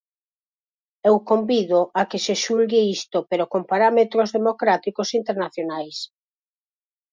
Eu convido a que se xulgue isto pero con parámetros democráticos internacionais.